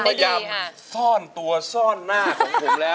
พยายามซ่อนตัวซ่อนหน้าของผมแล้ว